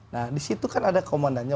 nah disitu kan ada komandannya